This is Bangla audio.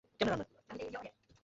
সে বলল, কেন?